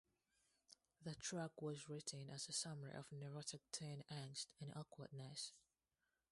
The track was written as a summary of neurotic teen angst and awkwardness.